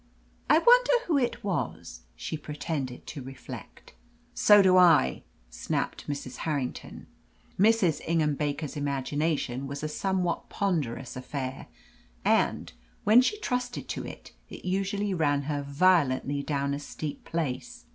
"I wonder who it was," she pretended to reflect. "So do I," snapped Mrs. Harrington. Mrs. Ingham Baker's imagination was a somewhat ponderous affair, and, when she trusted to it, it usually ran her violently down a steep place.